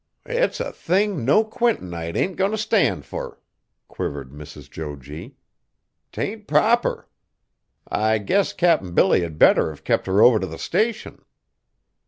"It's a thing no Quintonite ain't goin' t' stand fur!" quivered Mrs. Jo G. "'T ain't proper. I guess Cap'n Billy had better have kept her over to the Station."